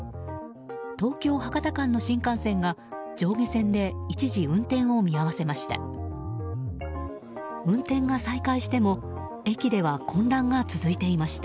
東京博多間の新幹線が上下線で一時、運転を見合わせました。